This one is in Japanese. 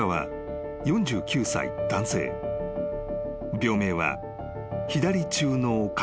［病名は］